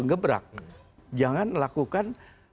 ngebrak jangan lakukan